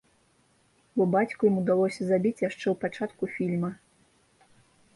Бо бацьку ім удалося забіць яшчэ ў пачатку фільма.